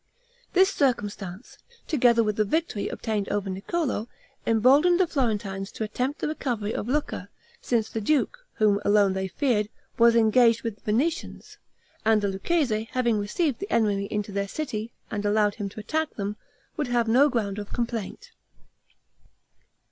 This circumstance, together with the victory obtained over Niccolo, emboldened the Florentines to attempt the recovery of Lucca, since the duke, whom alone they feared, was engaged with the Venetians, and the Lucchese having received the enemy into their city, and allowed him to attack them, would have no ground of complaint.